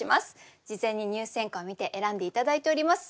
事前に入選歌を見て選んで頂いております。